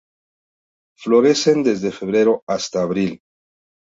Florecen desde febrero hasta abril.